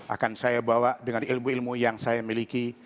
akan saya bawa dengan ilmu ilmu yang saya miliki